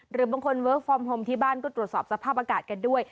หรือบางคนเวิร์คฟอร์มโฮมที่บ้านก็ตรวจสอบสภาพอากาศกันด้วย